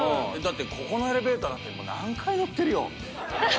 ここのエレベーターだって何回乗ってるよ？